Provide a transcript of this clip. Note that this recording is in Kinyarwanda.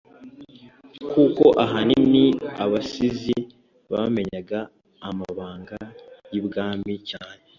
kuko ahanini abasizi bamenyaga amabanga y’i bwami cyane.